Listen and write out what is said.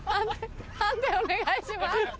判定お願いします。